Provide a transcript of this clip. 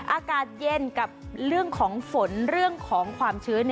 อากาศเย็นกับเรื่องของฝนเรื่องของความชื้น